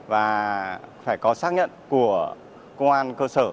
và phải có xác nhận của công an cơ sở